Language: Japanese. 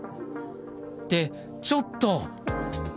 って、ちょっと！